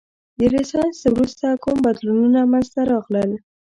د رنسانس وروسته کوم بدلونونه منځته راغلل؟